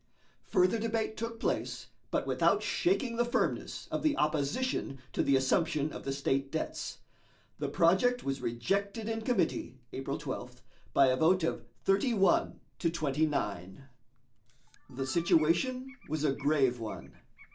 Further debate took place, but without shaking the firmness of the opposition to the assumption of the state debts. The project was rejected in committee (April 12) by a vote of 31 to 29. The situation was a grave one.